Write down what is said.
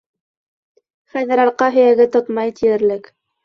Хәҙер арҡа һөйәге тотмай тиерлек.